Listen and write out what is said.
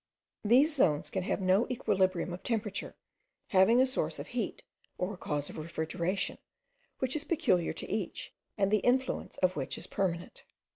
These zones can have no equilibrium of temperature, having a source of heat, or a cause of refrigeration, which is peculiar to each, and the influence of which is permanent.